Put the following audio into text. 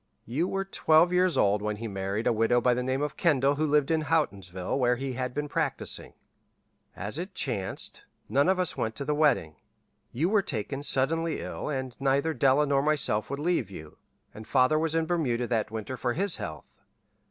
You were twelve years old when he married a widow by the name of Kendall who lived in Houghtonsville where he had been practising. As it chanced, none of us went to the wedding. You were taken suddenly ill, and neither Della nor myself would leave you, and father was in Bermuda that winter for his health.